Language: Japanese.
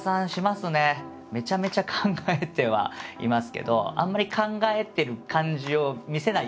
めちゃめちゃ考えてはいますけどあんまり考えてる感じを見せないようにしてます。